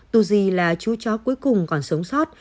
tu di là chú chó cuối cùng còn sống sót